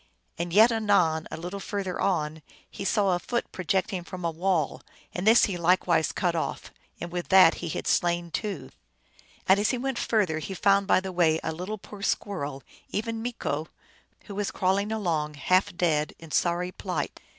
And yet, anon, a little further on, he saw a foot projecting from a wall, and this he likewise cut off, and with that he had slain two. And as he went further he found by the way a poor little squirrel, even Meeko, who was crawling along, half dead, in sorry plight.